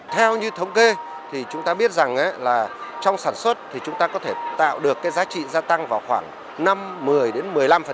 theo như thống kê thì chúng ta biết rằng là trong sản xuất thì chúng ta có thể tạo được cái giá trị gia tăng vào khoảng năm mươi đến một mươi năm